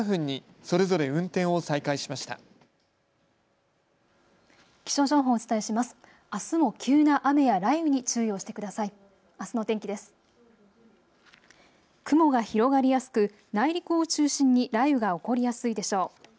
雲が広がりやすく内陸を中心に雷雨が起こりやすいでしょう。